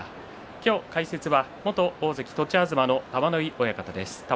今日、解説は元大関栃東の玉ノ井親方です。